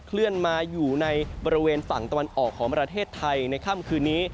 เลื่อนมาอยู่ในบริเวณฝั่งตะวันออกของประเทศไทยในค่ำคืนนี้